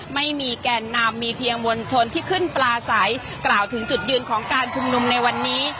ไม่มีแก่นนำมีเพียงมวลชนที่ขึ้นปลาใสกล่าวถึงจุดยืนของการชุมนุมในวันนี้